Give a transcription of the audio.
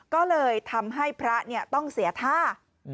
ก็เลยทำให้พระต้องเสียท่า